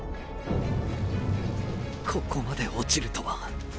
ここまで落ちるとは！！